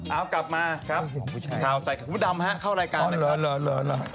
เอากลับมาครับขาวใส่ขาวดำครับเข้ารายการเลยครับ